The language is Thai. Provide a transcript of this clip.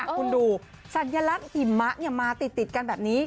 คุณดูสัญลักษณ์หิมะมาติดกันแบบนี้